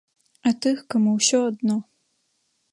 А тых, каму ўсё адно.